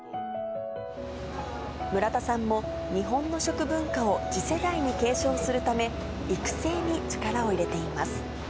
村田さんも、日本の食文化を次世代に継承するため、育成に力を入れています。